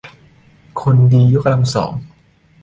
คนดียกกำลังสอง